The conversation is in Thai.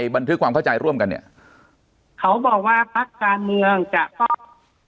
บันทึกความเข้าใจร่วมกันเนี่ยเขาบอกว่าพักการเมืองจะต้อง